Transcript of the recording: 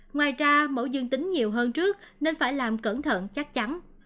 ngoài ra mẫu dương tính nhiều hơn trước nên phải làm cẩn thận chắc chắn